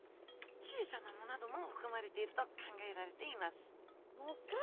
小さな藻などもふくまれていると考えられています藻か。